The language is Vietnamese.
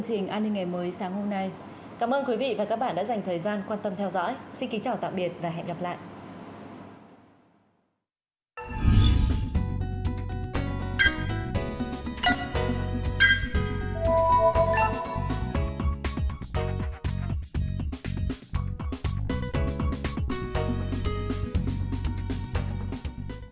cảm ơn các bạn đã theo dõi và hẹn gặp lại